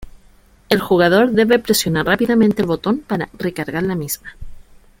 El jugador debe presionar rápidamente el botón para "recargar" la misma.